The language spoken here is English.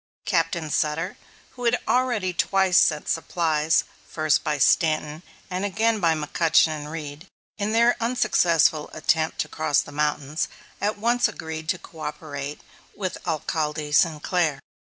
Captain Sutter, who had already twice sent supplies, first by Stanton and again by McCutchen and Reed, in their unsuccessful attempt to cross the mountains, at once agreed to coöperate with Alcalde Sinclair.